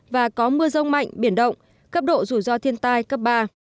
và có mưa rông mạnh biển động cấp độ rủi ro thiên tai cấp ba